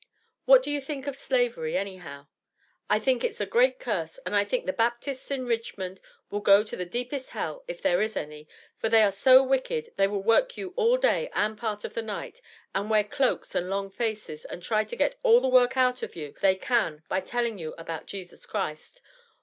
"What do you think of Slavery any how?" "I think it's a great curse, and I think the Baptists in Richmond will go to the deepest hell, if there is any, for they are so wicked they will work you all day and part of the night, and wear cloaks and long faces, and try to get all the work out of you they can by telling you about Jesus Christ.